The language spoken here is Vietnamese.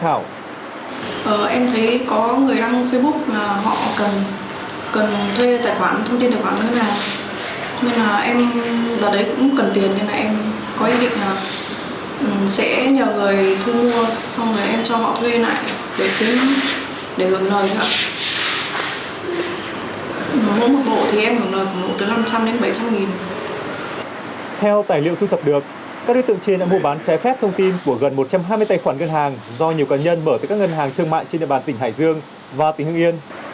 theo tài liệu thu thập được các đối tượng trên đã mua bán trái phép thông tin của gần một trăm hai mươi tài khoản ngân hàng do nhiều cá nhân mở từ các ngân hàng thương mại trên địa bàn tỉnh hải dương và tỉnh hưng yên